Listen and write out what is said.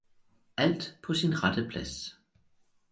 'Alt på sin rette plads!